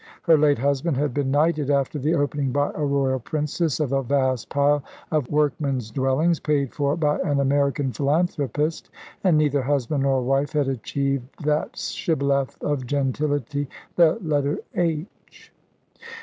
Her late husband had been knighted, after the opening by a Royal Princess of a vast pile of workmen's dwellings, paid for by an American philanthropist, and neither husband nor wife had achieved that shibboleth of gentility, the letter "h."